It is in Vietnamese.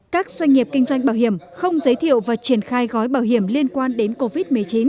các doanh nghiệp kinh doanh bảo hiểm không giới thiệu và triển khai gói bảo hiểm liên quan đến covid một mươi chín